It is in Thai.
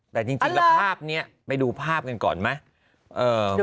แต่จริงแล้วภาพนี้ไปดูภาพกันก่อนไหม